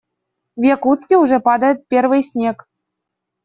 В Якутске уже падает первый снег.